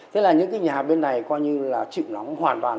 thế là những cái nhà bên này coi như là chịu nóng hoàn toàn